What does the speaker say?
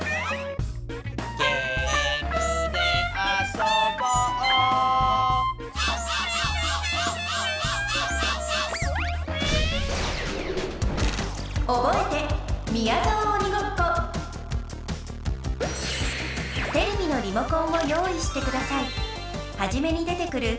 「ゲームで遊ぼう」テレビのリモコンを用意してください。